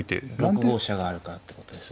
６五飛車があるからってことですね。